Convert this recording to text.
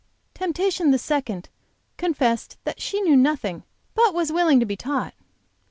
Temptation the second confessed that she knew nothing, but was willing to be taught.